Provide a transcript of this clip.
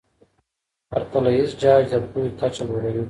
پرتله ایز جاج د پوهې کچه لوړوي.